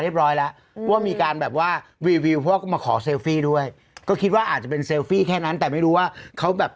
ประเด็นคือแหมคุณตำรวจก็เซลฟี่กับเขานะ